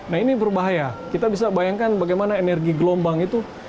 nah ini berbahaya kita bisa bayangkan bagaimana energi gelombang itu